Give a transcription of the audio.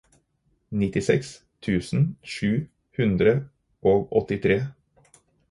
nittiseks tusen sju hundre og åttitre